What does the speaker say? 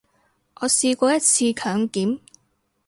我試過一次強檢